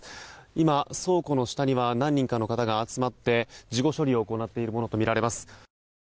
今、倉庫の下には何人かの方が集まって事後処理を行っているものとみられます。